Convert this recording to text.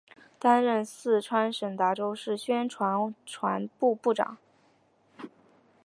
担任四川省达州市委宣传部部长。